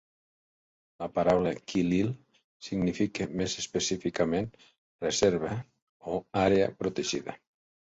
La paraula "kilil" significa més específicament "reserva" o "àrea protegida".